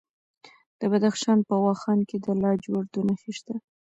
د بدخشان په واخان کې د لاجوردو نښې شته.